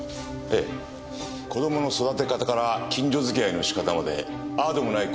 ええ子供の育て方から近所付き合いの仕方までああでもない